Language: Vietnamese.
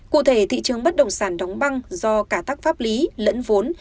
cụ thể thị trường bất đồng sản đóng băng do cả tác pháp lý lẫn vốn